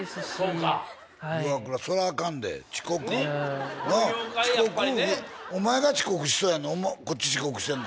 なあ遅刻お前が遅刻しそうやのにこっち遅刻してんの？